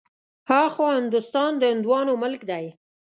ها خوا هندوستان د هندوانو ملک دی.